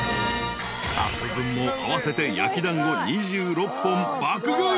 ［スタッフ分も合わせて焼き団子２６本爆食い。